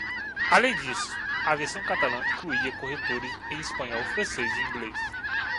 Além disso, a versão catalã incluía corretores em espanhol, francês e inglês.